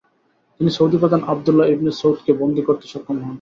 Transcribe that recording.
তিনি সৌদি প্রধান Abdullah ibn সৌদকে বন্দী করতে সক্ষম হন।